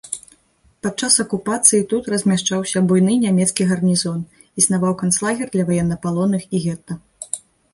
Падчас акупацыі тут размяшчаўся буйны нямецкі гарнізон, існаваў канцлагер для ваеннапалонных і гета.